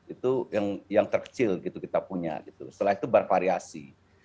itu yang terkecil kita punya setelah itu bervariasi